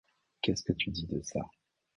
Qu’est-ce que tu dis de ça?